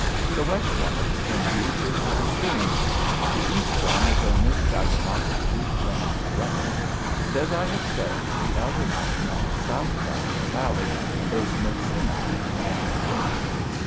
The west one of the Twin Buttes is Little Plume; the east one is O nis tai´ mak an (Wonderful Runner). And, as I have said, the outer mountain on the south side of the valley is Muk sin a´ (Angry Woman).